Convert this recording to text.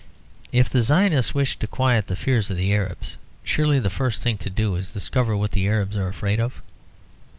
If the Zionists wish to quiet the fears of the Arabs, surely the first thing to do is to discover what the Arabs are afraid of.